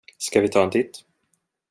Ska vi ta en titt?